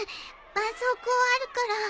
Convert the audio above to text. ばんそうこうあるから。